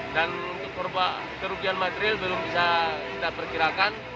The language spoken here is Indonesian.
dan kerugian material belum bisa kita perkirakan